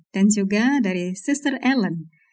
dan juga dari sister ellen